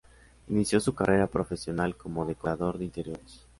Inició su carrera profesional como decorador de interiores.